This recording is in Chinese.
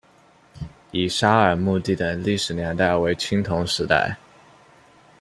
乙沙尔墓地的历史年代为青铜时代。